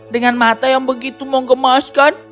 dengan mata yang begitu mengemaskan